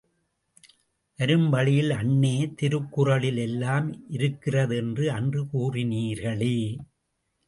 வரும் வழியில், அண்ணே திருக்குறளில் எல்லாம் இருக்கிறது என்று அன்று கூறினீர்களே!